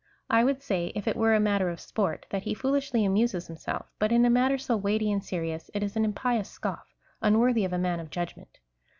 I would say, if it were a matter of sport, that he foolishly amuses himself, but in a matter so weighty and serious, it is an impious scoif, unworthy of a man of judgment.